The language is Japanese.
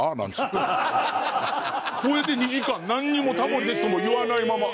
それで２時間なんにも「タモリです」とも言わないまま。